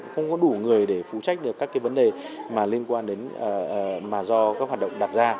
không có đủ người để phụ trách được các cái vấn đề mà do các hoạt động đặt ra